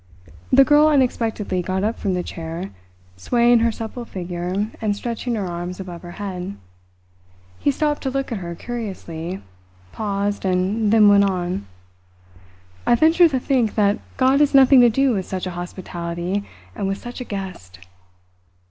The girl unexpectedly got up from the chair, swaying her supple figure and stretching her arms above her head. He stopped to look at her curiously, paused, and then went on: "I venture to think that God has nothing to do with such a hospitality and with such a guest!"